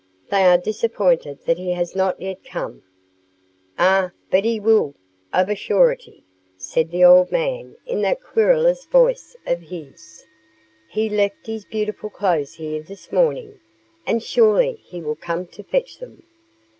They are disappointed that he has not yet come." "Ah! but he will come, of a surety," said the old man in that querulous voice of his. "He left his beautiful clothes here this morning, and surely he will come to fetch them."